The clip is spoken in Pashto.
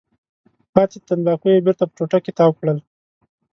پاتې تنباکو یې بېرته په ټوټه کې تاو کړل.